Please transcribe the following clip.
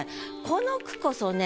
この句こそね